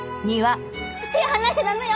手離しちゃ駄目よ！